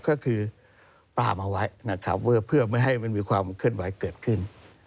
ก็คือปรามเอาไว้นะครับว่าเพื่อไม่ให้มันมีความเคลื่อนไหวเกิดขึ้น